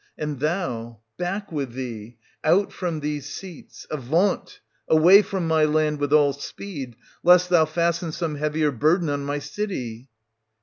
And thou — back with thee ! out from these seats! avaunt ! away from my land with all speed, lest thou fasten some heavier burden on my city!